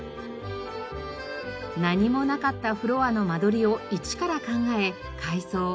何もなかったフロアの間取りを一から考え改装。